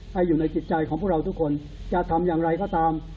ให้อยู่ในจิตใจของพวกเราทุกคนจะทำอย่างไรก็ตาม